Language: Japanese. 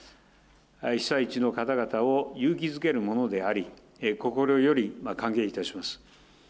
被災地の方々を勇気づけるものであり、心より歓迎いたします。